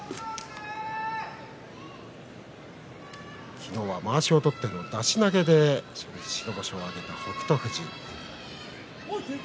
昨日はまわしを取っての出し投げで白星を挙げた北勝富士です。